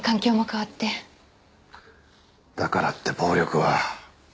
だからって暴力は。